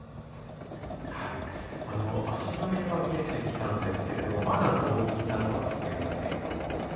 足取りは見えてきたんですけれども、まだ動機などは不明な点が多いと。